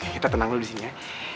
oke kita tenang dulu disini ya